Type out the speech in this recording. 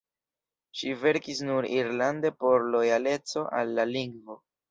Ŝi verkis nur irlande por lojaleco al la lingvo.